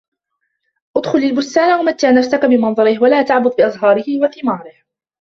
اُدْخُلْ الْبُسْتانَ وَمَتِّعْ نَفْسَكَ بِمَنْظَرِهِ ، وَلَا تَعْبَثْ بِأَزْهارِهِ وَثِمارِهِ.